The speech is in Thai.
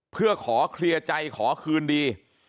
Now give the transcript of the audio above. เพื่อขอเคลียร์ใจขอคืนดี